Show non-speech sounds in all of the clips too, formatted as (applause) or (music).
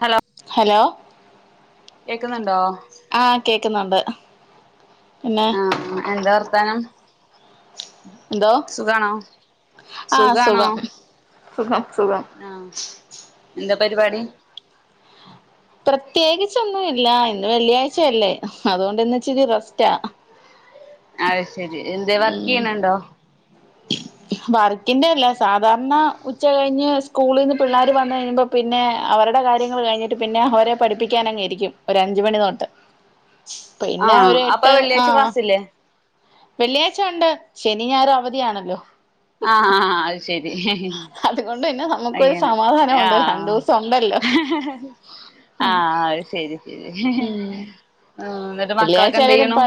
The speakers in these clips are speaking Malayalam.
ഹലോ ഹലോ കേക്കുന്നുണ്ടോ ആ കേക്കുന്നൊണ്ട് ആഹ് ആ എന്താ വർത്താനം എന്തോ സുഖാണോ ആഹ് സുഖാണോ സുഖം സുഖം സുഖം ആഹ് എന്താ പരിപാടി പ്രത്യേകിച്ചൊന്നും ഇല്ല ഇന്ന് വെള്ളിയാഴ്ചയല്ലേ അതുകൊണ്ട് ഇന്നിച്ചിരി റെസ്റ്റാ അയ് ശെരി എന്തേ വർക്ക് ഉം ചെയ്യണൊണ്ടോ? വർക്കിന്റെ അല്ല സാധാരണ ഉച്ച കഴിഞ്ഞ് സ്കൂളീന്ന് പിള്ളേര് വന്നു കഴിയുമ്പോ പിന്നെ അവരുടെ കാര്യങ്ങൾ കഴിഞ്ഞിട്ട് പിന്നെ അവരെ പഠിപ്പിക്കാൻ അങ്ങിരിക്കും ഒരു അഞ്ചുമണി തൊട്ട് പിന്നെ ആഹ് ഒരു അപ്പൊ എട്ട് വെള്ളിയാഴ്ച ആഹ് ക്ലാസില്ലേ വെള്ളിയാഴ്ച ഒണ്ട് ശനീം ഞായറും അവധിയാണല്ലോ ആഹ് ആ അത് ശരി അതുകൊണ്ട് പിന്നെ നമുക്കൊരു അങ്ങനെ സമാധാനമുണ്ട് രണ്ടു ആഹ് ദിവസം ഉണ്ടല്ലോ ആഹ് അത് ശരി ശരി ഉം ആ എന്നിട്ട് വെള്ളിയാഴ്ച മക്കളൊക്കെ എന്ത്‌ ആയാലും ചെയ്യണു പ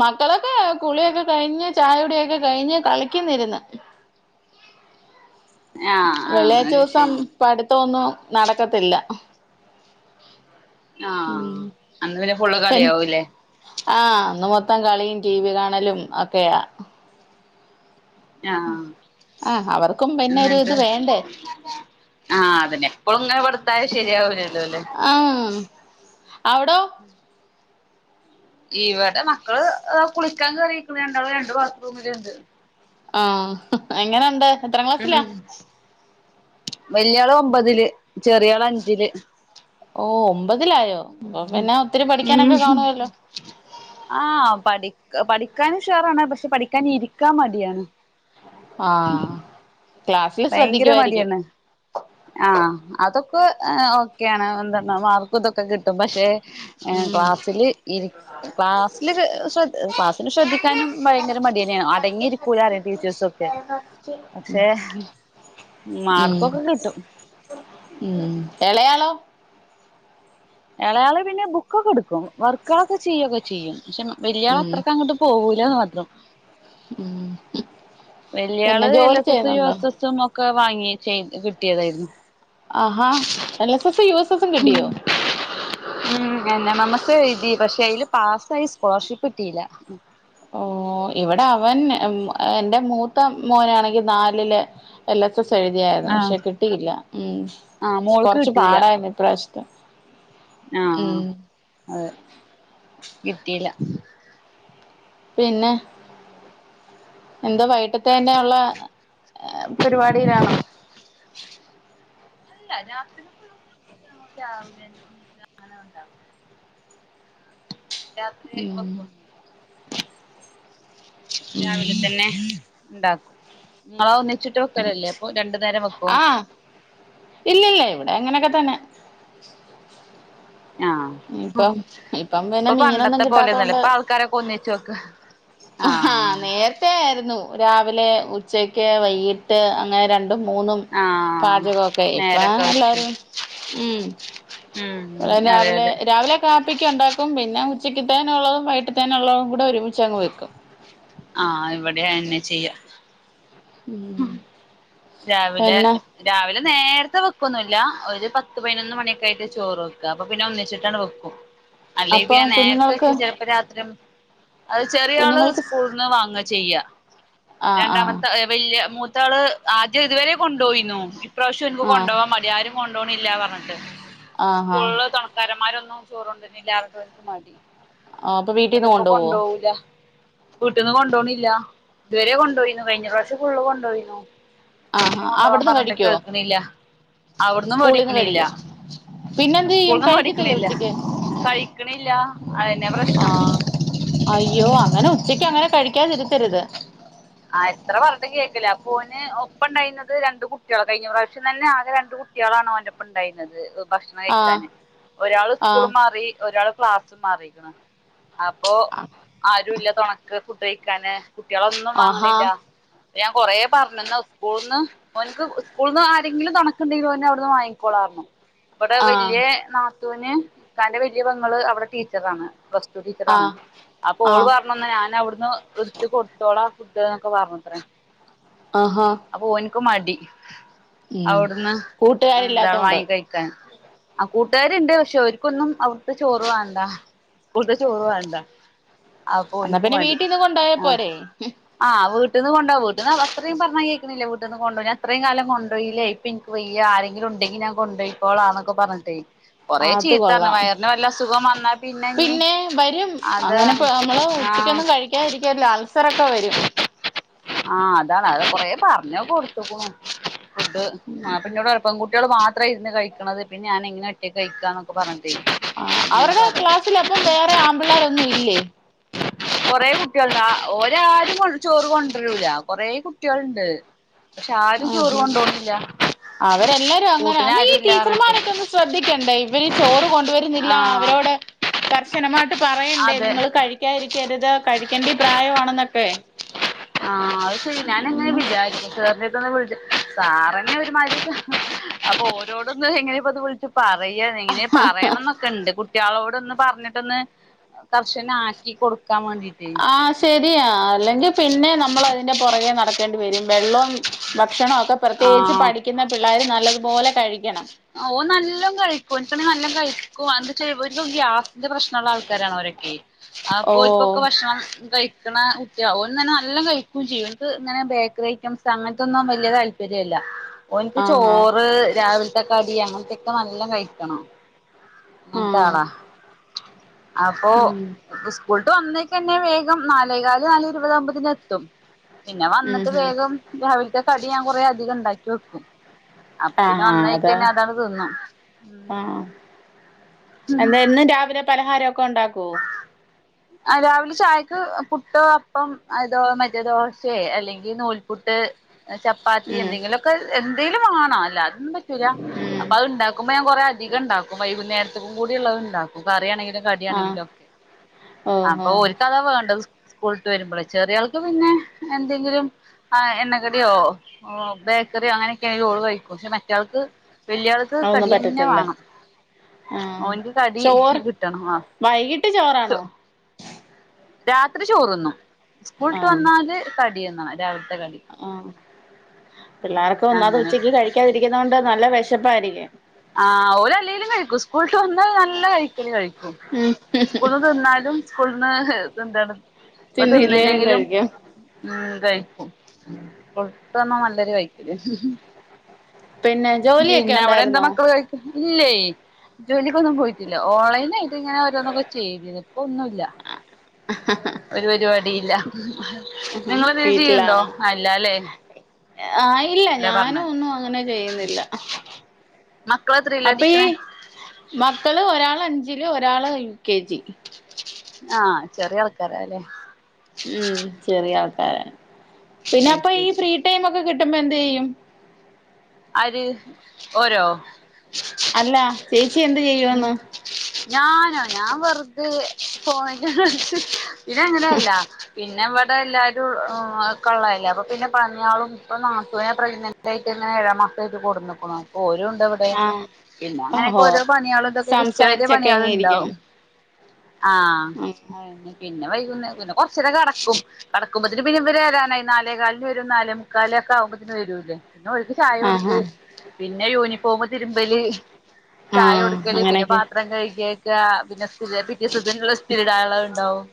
മക്കളൊക്കെ കുളിയൊക്കെ കഴിഞ്ഞ് ചായ കുടിയൊക്കെ കഴിഞ്ഞ് കളിക്കുന്നിരുന്ന് ആഹ് ആഹ് വെള്ളിയാഴ് അത് ദിവസം ശരി പടുത്തോന്നും നടക്കത്തില്ല ഉം ആഹ് അന്ന് പിന്നെ ഫുള്ള് പിൻ കളിയാവൂല്ലേ ആഹ് അന്ന് മൊത്തം കളിയും ടി വി കാണലും ഒക്കെയാ ആഹ് ആഹ് അവർക്കും പിന്നെ ഒരു ഇത് എന്നിട്ട് വേണ്ടേ ആഹ് പിന്നെ എപ്പോഴും ഇങ്ങനെ കൊടുത്താലും ശരിയാവൂല്ലല്ലോ അല്ലെ അവിടെ (unintelligible) ഇവടെ മക്കള് കുളിക്കാൻ കേറീക്കുണെ രണ്ടാളും രണ്ട് ബാത്റൂമില് ഉണ്ട് ആഹ് എങ്ങനൊണ്ട് എത്രാം ക്ലാസിലാ വല്ിയയാള് ഒമ്പതില് ചെറിയള് അഞ്ചില് ഓം ഉ കാണുവല്ലോ ആഹ് പഠ പഠിക്കാനും ഷാറാണ് പക്ഷെ പഠിക്കാന ഇരിക്കാൻ മടിയാണ് ആഹ ക്ലാസ്സില് ശ്രദ്ധിക്കുുവായിരിക്കും ആഹ അതൊക്കെ ഓക്കെയാണ് എന്ത മാർക്ക്ും ഇതൊക്കെ കിട്ടും പക്ഷെ ഉം ക്ലാസ്സിില് ഇ ക്ലാസ്സിില് ശ്രദ് ക്ലാസ്സിില് ശ്രദ്ധിക്കാനും ഭയങ്കര മടിയന്നാണ് അടങ്ങിയിരിക്കൂല അറ ടീച്ചേഴസൊക്കെ പക്ഷെ ഉം മാർക്കൊക്കെ കിട്ടും ഉ ഇളയാളോ ഇളയാള് പിന്നെ ബുക്കൊക്കെ എടുക്കും വർക്ക് ഒക്കെ ചെയ്യൊക്കെ ചെയ്യും പക്ഷെ മലയാള അത്രൊക്കെ അങ്ങോട്ട് പോകൂ ഏഹ് മാത്രം ഉംഹ് വല്യാള് എൽ എസ് എസും യു എസ് എസ്സും ഓഹ് വാങ്ങി ചെയ് കിട്ടിയതായിരുന്നു ആഹാ എൽ എസ് എസും യുഎസ് എസും കിട്ടിയോ ഉം എന്നെ മമസ്സ എഴുതി പക്ഷെ അതില് പാസ്സായി സ്കോളർഷിപ്പ് കിട്ടിയില്ല ഓ ഇവിടെ അവൻ എറെ മൂത്ത മോനാണെങ്കി നാലില് എല്ലാ ഇത്ര എഴുതിയായിരുന്നു ആഹ് പക്ഷെ കിട്ടിയില്ല ഉ ആഹ് കൊറച്ച് പാടായിരുന്നു ഇ്രശം അ ആഹ അതെ കിട്ടിയില്ല പിന്നെ എന്താ വൈകിട്ടത്ത തന്നെ ഉള്ള പരിപാടിയിലാണോ ല്ല ഉ (unintelligible) രാത്രി ഉം ഉഴപ്പൊന്നുമില്ല ഉം രാവിലെ തന്നെ ഉണ്ടാക്കും നിങ്ങള ഒന്ന വച്ചിട്ട് വെക്കറല്ലേ അപ്പൊ രണ്ടു നേരം വെക്കോ ഇല്ലല്ല ഇവിടെ എങ്ങനെയൊക്കെ തന്നെ ആഹ് ഇപ്പം ഇപ്പം പിന്നെ ഇപ്പൊ മീനൊന്നും പണ്ടത്തെ പോലെന്നല്ല കിട്ടാത്തോണ്ട് ഇപ്പൊ ആൾക്കാരൊക്കെ ഒന്നിച്ച് വെക്ക ആഹ് നേരത്തെ ആയിരുന്നു രാവിലെ ഉച്ചക്ക് വൈകട്ട് അങ്ങനെ ര മൂന്നും ആഹ് പാചകൊക്കെ ഇപ്പ നേരൊക്കെ വെച്ചു എല്ലാരും ഉം ഉം അതെ രാവിലെ അതെ രാവിലെ കാപ്പക്ക് ഉണ്ടാക്കും പിന്നെ ഉച്ചതേക്കുള്ളതും വൈകിട്ടതെകുള്ളതും കൂടെ ഒരുമിച്ച് അങ്ങ് വെക്കും ആഹ് ഇവിടെ അത് തന്നെ ചെയ്യാ ഉം രാവിലെ പിന്നെ രാവിലെ നേരത്തെ വെക്കൊന്നുമല്ല ഒരു പത്ത് പതിനൊന്ന് മണിയൊക്കെ ആയിട്ട് ചോറ് വെക്കുക അപ്പൊ പിന്നെ ഒന്നിച്ചിട്ടാണ് വെക്കും അല്ലെ അപ്പം പിന്നെ നേരത്തെ കുഞ്ഞുങ്ങൾക്ക് വെച്ച ചെലപ്പ രാത്രി അത് ചെറിയള് കുഞ്ഞുങ്ങൾക്ക് സ്കൂള് നിന്ന് വാങ്ങ ചെയ്യാ ആഹ് ആഹ് രണ്ടാമത്തെ വല്യ മൂ എന്താണ് ആദ്യം ഇതുവരെ കൊണ്ടുപോയിന്നു ഈ പ്രാവശ്യം വരുമ്പോ ആഹ് കൊണ്ടുപോവാ മതി ആരും കൊണ്ടോണില്ല പറഞ്ഞിട്ട് ആഹാ സ്കൂളിൽ തുടക്കാരന്മാര (inaudible) മാറ്റി ആ അപ്പൊ വീട്ടീന്ന് കൊണ്ടു പോവോ വീട്ടിന്ന് കൊണ്ടപോണില്ല ഇതുവരെ കൊണ്ടുപോയിന്നു കഴിഞ്ഞ (inaudible) ഫുള്ള് കൊണ്ടുപോയിന്നു ആഹാ (inaudible) കൊണ്ടുപകവാൻ അവിടുന്ന് പറഞ്ഞിട്ട് കഴിക്കോ കേൾക്കണില്ല അവിടന്നും സ്കൂളിൽന്ന് പഠിക്കണല്ല കഴിക്കോ പിന്നെന്ത് ചെയ്യും സ്കൂളന്നും കഴിക്കത്തില്ലേ പഠിക്കണില്ല ഉച്ചക്ക് കഴിക്കണില്ല അതെ പ്രശ്നം ആഹ് അയ്യോ അങ്ങനെ ഉച്ചയ് ക്ക് അങ്ങനെ കഴിക്കാതിരുത്തരുത്. ആ എത്ര പറഞ്ഞിട്ട് കേൾക്കില്ല അപ്പ അവന് ഒപ്പം ഉണ്ടായിരുന്നത് രണ്ട് കുട്ടികൾ കഴിഞ്ഞ പ്രാവശ്യം തന്നെ ആകെ രണ്ടു കുട്ടികളാണ്. ഓൻ്റെ ഒപ്പം ഉണ്ടായിരുന്നത്. ഭക്ഷണം ആഹ് കഴിക്കാന് ഒരാൾ ആഹ് ഇപ്പോഴും മാറി ഒരാൾ ക്ലാസ്റ്റ് മാറിക്കണം അപ്പൊ ആരു ഇല്ല തുണക്ക് ഫുഡ് കഴിക്കാന് കുട്ടികളോ ആഹാ വാങ്ങണില്ല ഞാൻ കൊറെ പറഞ്ഞുന്നാ സ്കൂളിൽ നിന്ന് അവനക്ക് സ്കൂളിൽ നിന്ന് ആരെങ്കിലും കഴിയ്ക്കുണ്ടെങ്കിലും അവനെ അവിടുന്ന് വാങ്ങിക്കോളാ ഇവിടെ വലിയ ആഹ് (inaudible) ഇക്കാന്റെ വലിയ പെങ്ങള് അവിടെ ടീച്ചറാണ് പ്ലസ്ടു ടീച്ചറാണ് ആഹ് അപ്പോ ഓൾ ആഹ് പറഞ്ഞുന്ന് ഞാൻ അവിടു എടുത്ത് കൊടുത്തോളാം. ഇന്നൊക്കെ പറണത്രേ ആ ആ മടി അവിടുന്ന് എന്താ കൂട്ടുകാരില്ലാത്തോണ്ട് വാങ്ങി കഴിക്കാൻ ആ കൂട്ടുകാരുണ്ട് പക്ഷെ അവർക്കൊന്നും അവിടുത്തെ ചോറ് വേണ്ട സ്കൂളത്തെ ചോറ് വേണ്ട അപ്പൊ എന്നാ ഓനിക്ക് പിന്നെ മടി വീട്ടിൽ നിന്ന് കൊണ്ട ആ പോയപ്പോ രേ ആ വീട്ടീന്ന് കൊണ്ടോ വീട്ടീന്ന് അത്രയും പറഞ്ഞാ കേൾക്കുന്നില്ല വീട്ടിൽനിന്ന് കൊണ്ടപോയില്ലേ അത്ര കാലം കൊണ്ടപോയില്ല ഇപ്പൊ എനിക്ക് വയ്യ ആരെങ്കിലും ഉണ്ടെങ്കിൽ ഞാൻ കൊണ്ട് പോയിപ്പോയിക്കോളാം എന്നൊക്കെ പറഞ്ഞിട്ടേ കൊറേ അത് ചീത്തറഞ്ഞു കൊള്ളാം വയറിന് വല്ല അസുഖം വന്നാ ഇനി പിന്നെ വരും അത് അങ്ങനെ നമ്മൾ ആ ഉച്ചക്കൊന്നും കഴിക്കാതിരിക്കല്ല അൾസറൊക്കെ വരും. ആ അതാണ് അത് കൊറേ പറഞ്ഞ് കൊടുത്തേക്കണു ഫുഡ് ആ കുട്ടികൾ വരുമ്പോ കുട്ടികൾ മാതം (inaudible) കഴിക്കുന്നത് പിന്നെ ഞാൻ എങ്ങനെ ഒടക്ക കഴിക്കുക എന്നൊക്കെ പറഞ്ഞിട്ട് ആ അവരുടെ ക്ലാസ്സിൽ അപ്പം വേറെ ആണ് പിള്ളേരൊന്നും ഇല്ലേ കൊറെ കുട്ടികൾണ്ട് ഒരാരും ചോറ് കൊണ്ടരൂല കൊറെ കുട്ടികളുണ്ട് പക്ഷെ ആരും ആ ചോറ് കൊണ്ടോണില്ല അവരെല്ലാരും അങ്ങനെ കൂട്ടിന് അന്ന് ഈ ആരുല്ലാ പറഞ്ഞിട്ട് ടീച്ചർമാരൊക്കെ ഒന്നും ശ്രദ്ധിക്കണ്ടേ ഇവര് ചോറ് കൊണ്ടുവരുന്നില്ല ആഹ് അവരോട് കർശനമായിട്ട് പറയണ്ടേ അതെ നിങ്ങള് കഴിക്കാതിരിക്കരുത് കഴിക്കേണ്ടി പ്രായമാണെന്നൊക്കെ ആഹ അത് ശരി ഞാനങ്ങനെ വിചാരിക്ക (unintelligible) സാറന്നെ ഒരുമാതിരി അപ്പൊ ഓരോടൊന്ന് എങ്ങനെയപ്പോ അത് വിളിച്ചു (unintelligible) പറയാ എങ്ങനെ പറയണം എന്നൊക്കെ ഉണ്ട് കു കുട്ടികളോട് ഒന്ന് പറഞ്ഞിട്ടൊന്ന് കർഷനആക്കികൊടുക്ക ആഹ ശരിയാ അല്ലെങ്കിൽ പിന്നെ ന നമ്മള് അതിന്റെ പുറകെ നടക്കേണ്ടി വരും വെള്ളം ഭക്ഷണം ക്കെ പ്രത്യേകിച്ച് ആഹ് പഠിക്കുന്ന പിള്ളേർ നല്ലതുപോലെ കഴിക്കണം ഓ നല്ലോ കഴിക്കും എന്നട്ടുനല്ലോ കഴിക്കും എന്താച്ചാ ഗ്യാസിന്റെ പ്രശ്നള്ള ആൾക്കാരാണോരൊക്കെ ആപ്പോരിക്കൊക്കെ ഓ ഭക്ഷണം കഴി ഓൻന്ന് പറഞ്ഞ നല്ലോം കഴിക്കും ചെയ്യും ക്ക് ഇങ്ങനെ ബേക്കറി ഐറ്റംസ് അങ്ങനത്തെൊന്നും വലിയ താല്പര്യം ഇല്ല ഓനിക്ക് ആഹാ ചോറ് രാവില തെ കടി അങ്ങനത്തെയൊക്കെ നല്ല കഴിക്കണം അങ്ങനെ ത്തെ ആഹ് ആളാ അപ്പൊ ഉം സ്കൂൾ ഇപ്പ വന്നേക്കന്നെ വേഗം നാലേകാല് നാലെഇരുപതമ്പതിന് എത്തും പിന്നെ ഉം വന്നിട്ട് ഹും വേഗം രാവിലത്തെ കടി ഞാൻ കൊറെ അധികം ഉണ്ടാക്കി വെക്കും അപ്പന്നെ ആഹാ അതാ വന്നഴിക്കന്നെ അതാങ്ങട്ട് തിന്ന എന്ത എന്നും രാവിലെ പലഹാരൊക്കെ ഒണ്ടാക്കുവോ രാവിലെ ചായക്ക് പുട്ടോ അപ്പം അ മറ്റേ ദോ ചപ്പാത്തി ഉം എന്തെങ്കിലുമൊക്കെ എന്തെങ്കിലും വേണം അതന്നും പറ്റൂല അപ്പ ഉം അത് ഉണ്ടാക്കുമ്പോ ഞാൻ കൊറെ അധികം ഉണ്ടാക്കും വൈകുന്നേര തത് കൂടി ഉള്ളത് ഉണ്ടാക്കും കറിയാണെങ്കിൽ ആഹ് കടിയാണെങ്കിലും ഒക്കെ ഓഹോ അപ്പൊ ഓർക്ക് അതാ വേണ്ടെ സ്കൂള് ട്ട് വരുമ്പോളെ ചെറിയ ആൾക്ക് പിന്നെ എന്തെങ്കിലും ആ എണ്ണക്കടിയോ ബേക്കറിയോ അങ്ങനെയൊക്കെണലോള് കഴിക്കും പക്ഷെ മറ്റയാൾക്ക് വെല്ല്യാൾക്ക് അതൊന്നും കടിതന്നെ പറ്റത്തില്ല വേണം ആഹ് മോനിക്ക് കടി കിട്ടണം ആ കിട്ട് ചോറാണോ രാത്രി ചോറ് തിന്നും സ്കൂൾവിട്ട് വന്നാല് (unintelligible) ആ പിള്ളേർക്കും ഒന്നാത് അങ്ങനെ ഉച്ചക്ക് കഴിക്കാതിരിക്കുന്നത കൊണ്ട് നല്ല വിശപ്പായിരിക്കും ആ ഓല് അല്ലേങ്കിലും കഴിക്കും സ്കൂളവിട്ട് വന്ന നല്ല കഴിക്കല് കഴിക്കും ഉം സ്കൂളന്ന് തിന്നാലും സ്കൂളന്ന് ഇത് എന്താണ് ഇപ്പൊ തിന്നില്ലേലും തിന്നില്ലെങ്കിലും കഴിക്കും ഉ (inaudible) ഇതൊന്നും നല്ലൊരു വയിക്ക്ട് പിന്നെ ജോലിയൊക്കെ ഉണ്ടായിരുന്നോ കഴിക്ക ഇല്ലേ ജോലിക്കൊന്നും പോയിട്ടില്ല ഓൺലൈൻ ആയിട്ട് ഇങ്ങനെ ഓരോന്നൊക്കെ ചെയ്തി ഇപ്പൊ ഒന്നുമല്ല ഒരു പരിപാടി ഇല്ല ഹ ഹ വീട്ടിലാണ് അല്ലാല്ലേ ആയില്ല ഇല്ല ഞാനും പറഞ്ഞത് ഒന്നും അങ്ങനെ ചെയ്യുന്നില്ല മക്കളെത്രയിലാ അപ്പൊ ഈ പഠിക്കണേ മക്കള് ഒരാൾ അഞ്ച് ഒരാൾ യു കെ ജി ആ ചെറിയ ആൾക്കാരല്ലെ ഉം (inaudible) പിന്നെ അത് അപ്പൊ ഈ ശരി ഫ്രീ ടൈം ഒക്കെ കി ബോ എന്ത്ചെയ്യും. ആര് ഓരോ അല്ല ചേച്ചി എന്ത് ചെയ്യുവന്ന് ഞാനോ ഞാൻ വെറുതെ ഫോണിൽ കളി ഇതങ്ങനെയല്ല പി. പിന്നെ ഇവിടെ എല്ലാവരും കൊള്ളതല്ലേ അപ്പ പിന്നെ പണേളും ഇപ്പൊ നാത്തൂനും പ്രനെന്റ് ആയിട്ട് ഇങ്ങനെഴ മസായിട്ട് കൊടുന്നുക്കുണു അപ്പൊ ഓല് ത്തവടെ ആഹ് പിന്നെ അങ്ങനെയൊക്കെ ഓഹോ ഓരോ പണിയേളും ഇതൊക്കെ ഉച്ചവരെ സംസാരിച്ചൊക്കെ പണിയാള അങ്ങ് ഇരിക്കും ഉണ്ടാവും. ആ ഉം അയന്നെ പിന്നെ പിന്നെ വൈകുന്നേര പിന്നെ കുറച്ചേരം കടക്കും കടക്കുമ്പത്തിന് പിന്ന ഇവ വരാനായി നാലേ കാലിന് വരും നാലേ മുക്കാല ഒക്കെകുമ്പോതിന് വരൂല്ലേ ചായ ആഹ് കൊടുത്ത് ആഹ് പിന്നെ യൂണിഫോം തിരുമ്പല് ചായ ആഹ് കൊടുക്കല് പിന്നെ അങ്ങനെയൊക്കെ പാത്രം കഴുകി പിന്നാ (unintelligible) (unintelligible) ആള ഉണ്ടാവും.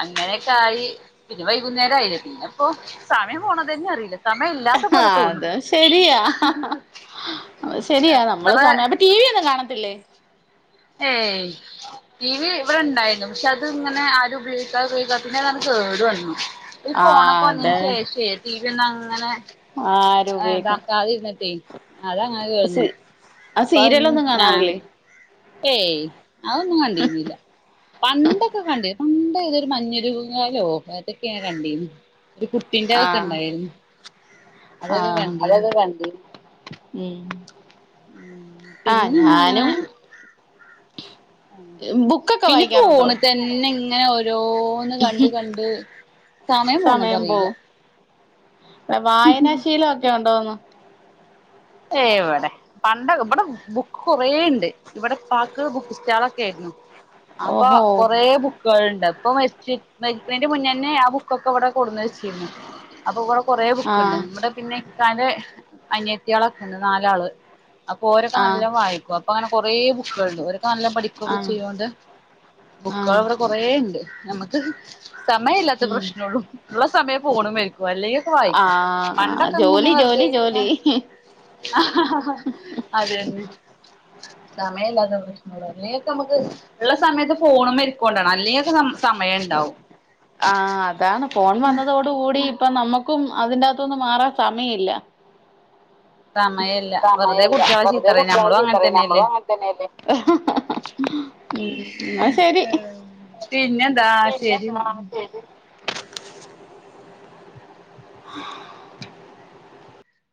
അങ്ങനെയൊക്കെ ആയി പിന്നെ വൈകുന്നേരം ആയില്ല പിന്നെ ഇപ്പോ സമയം പോണതന്നെ അറിയില്ല സമയം ഇല്ലാത്ത പോലെ തോന്നും. രിയാ ശരിയാ നമ്മള് എത്ര സമയം അപ്പ ടി വി ഒന്നും കാണത്തില്ലേ ഏയ് ടി വി ഇവിടെ ഉണ്ടായിരുന്നു പക്ഷെ അത് ഇങ്ങനെ ആരും ഉപയോഗിക്കാ ഉപയോഗിക്കാതെ പിന്നതങ്ങ് കേടു വന്നു ഉം ഫോണൊക്കെ ആഹ് വന്നതിന് അതെ ശേഷേ ടി വി ഒന്നും അങ്ങനെ ആരും ഉപയോഗിക്ക ഇതാക്കാതിരുന്നിട്ടെ അതങ്ങനെ കയിഞ്ഞു സി ആ ഇപ്പ അതൊന്നും സീരിയലൊന്നും ഞാൻ. കാണാറില്ലേ ഏയ് അതൊന്നും കണ്ടിരുന്നില്ല പണ്ടൊക്കെ കണ്ടിരുന്ന് ഉണ്ടേ ഇതൊരു മഞ്ഞരൂപം കാലോ അതൊക്കെയാ കണ്ടീന്. ഒരു കുട്ടിന്റെതൊക്കെ ആഹ് ഇണ്ടായിരുന്നു. ആഹ് അതക്ക കണ്ട് ഉം ആഹ് പിന്നെന്താങ്ങനെ ഞാനും ആ ബുക്കൊക്കെ പിന്നെ വായിക്കാറുണ്ടോ ഫോണി തന്നെ (unintelligible) ഓരോന്ന് കണ്ട് കണ്ട് സമയം പോണതറിയില്ല അല്ല വായനാശീലവൊക്കെ ഉണ്ട് ഉണ്ടോന്ന് ഏയ് ഇവിടെ പണ്ട ഇവിടെ ബുക്ക് കുറേ ഉണ്ട് ഇവിടെ പാക്ക് ബുക്ക് സ്റ്റാൾൊക്കെ ആയിരുന്നു അപ്പൊ ഓഹോ കൊറേ ബുക്കുകൾണ്ട് പ്പ മരിച്ച് മരിക്കിണേന്റെ മുന്നന്നെ ആ ബുക്കൊക്കെ ഇവിടെ കൊടുന്ന് വെച്ചിരുന്നു അപ്പൊടെ കുറേ ബുക്കുണ്ട് ആഹ് നമ്മുടെ പിന്നെ തെ (unintelligible) കുട്ടിയാളൊക്കെ ഉണ്ട് നാലാള് അപ്പൊ ഓരൊക്കെ ആഹ് നല്ല വായിക്കും അപ്പൊ അങ്ങനെ കുറേ ബുക്കുകൾണ്ട് നല്ലാ പഠിക്കുകൊക്കെ ആഹ് ചെയ്യോണ്ട് ആഹ് ബുക്കുകളവ്ടെ കൊറെ ഒണ്ട് നമ്ക്ക് സമയ ഇല്ലാത്ത ഉം പ്രശ്നോള്ളൂ ഉള്ള സമയം ഫോണുമ്മെ വലൊക്കെ വായിക്കാ ആഹ് പണ്ടൊക്കെ എങ്ങനെ ജോലി ജോലി വെറുതെയിക്കുമ്മ ജോലി ആഹ് അതെ സമയല്ലാത്ത പ്രശ്നമ അല്ലെങ്കൊക്കെ നമുക്ക് ഉള്ള സമയത്ത് ഫോണും മരിക്കൊണ്ടാണ് അല്ലെങ്കൊക്കെ സമയം ഉണ്ടാവും ആഹ് അതാണ് ഫോൺ വന്നതോടു കൂടി അപ്പൊ നമ്മക്കും അതിനാത്തോന്നു മാറാൻ സമയില്ല സമയല്ല വെറുതെ സമയല്ല കുട്ടികളെ വെറുതെ ചീത്തറിയും കുട്ടികളെ നമ്മളും അങ്ങനെ ചീത്തറ തന്നെയല്ലേ നമ്മളും അങ്ങനെ തന്നെയല്ലേ ഹ് ഹ് മ് എന്ന ശരി പിന്നെന്താ ശരിന്നാ പിന്നെന്ത (unintelligible)